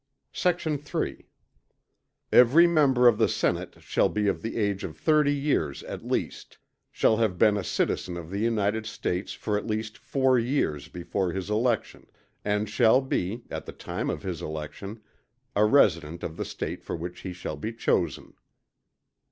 Sect. 3. Every member of the Senate shall be of the age of thirty years at least; shall have been a citizen in the United States for at least four years before his election; and shall be, at the time of his election, a resident of the State for which he shall be chosen.